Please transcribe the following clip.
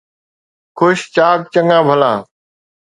خوش چاڪ چڱان ڀلا